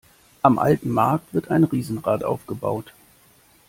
Am alten Markt wird ein Riesenrad aufgebaut.